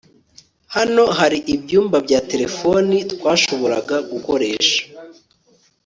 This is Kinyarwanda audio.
Hano hari ibyumba bya terefone twashoboraga gukoresha